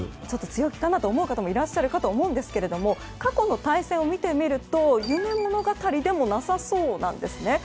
強気かと思う方もいらっしゃると思いますが過去の対戦を見てみると夢物語でもなさそうなんですね。